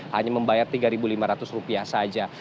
hanya membayar rp tiga lima ratus saja